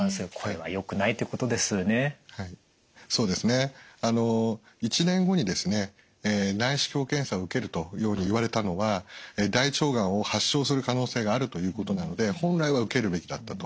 はいそうですね１年後に内視鏡検査を受けるように言われたのは大腸がんを発症する可能性があるということなので本来は受けるべきだったと。